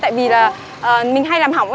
tại vì là mình hay làm hỏng